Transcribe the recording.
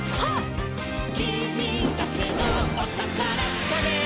「きみだけのおたからつかめ！」